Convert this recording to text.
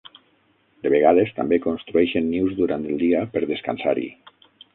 De vegades, també construeixen nius durant el dia per descansar-hi.